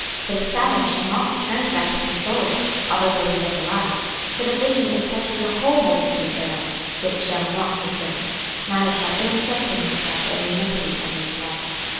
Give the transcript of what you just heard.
26:007:013 For the seller shall not return to that which is sold, although they were yet alive: for the vision is touching the whole multitude thereof, which shall not return; neither shall any strengthen himself in the iniquity of his life.